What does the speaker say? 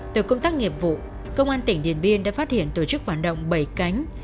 từ công tác nghiệp vụ công an tỉnh điền biên đã phát hiện tổ chức hoạt động bảy cánh